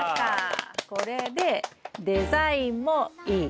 これでデザインもいい。